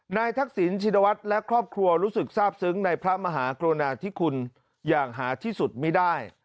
ทักษิณชินวัฒน์และครอบครัวรู้สึกทราบซึ้งในพระมหากรุณาธิคุณอย่างหาที่สุดไม่ได้